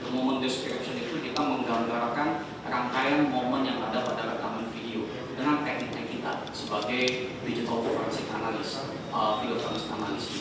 moment description itu kita menggantarkan rangkaian moment yang ada pada rekaman video dengan tekniknya kita sebagai digital forensic analisa video forensic analisa